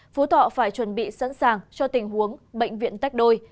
phú thọ phải chuẩn bị sẵn sàng cho tình huống bệnh viện tách đôi